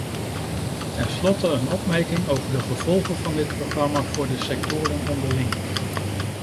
Ten slotte een opmerking over de gevolgen van dit programma voor de sectoren onderling.